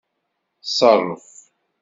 Ṣerref.